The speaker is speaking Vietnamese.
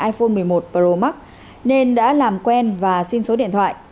iphone một mươi một pro max nên đã làm quen và xin số điện thoại